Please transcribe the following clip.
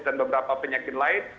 dan beberapa penyakit lain